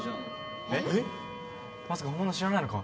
まさか本物知らないのか？